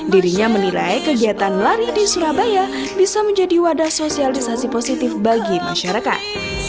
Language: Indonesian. dirinya menilai kegiatan lari di surabaya bisa menjadi wadah sosialisasi positif bagi masyarakat